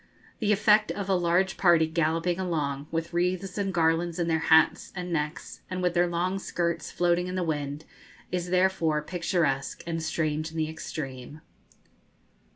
The effect of a large party galloping along, with wreaths and garlands in their hats and necks, and with their long skirts floating in the wind, is therefore picturesque and strange in the extreme.